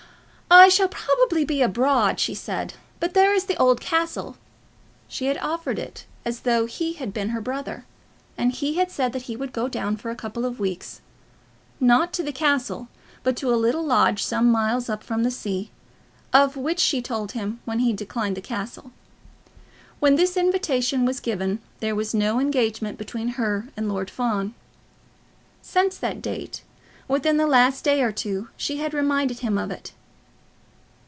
"I shall probably be abroad," she said, "but there is the old castle." She had offered it as though he had been her brother, and he had said that he would go down for a couple of weeks, not to the castle, but to a little lodge some miles up from the sea, of which she told him when he declined the castle. When this invitation was given there was no engagement between her and Lord Fawn. Since that date, within the last day or two, she had reminded him of it.